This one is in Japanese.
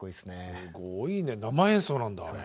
すごいね生演奏なんだあれ。